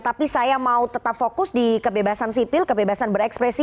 tapi saya mau tetap fokus di kebebasan sipil kebebasan berekspresi